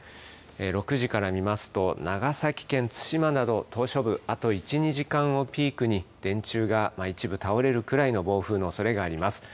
６時から見ますと、長崎県対馬など、島しょ部、あと１、２時間をピークに電柱が一部倒れるくらいの暴風のおそれがあります。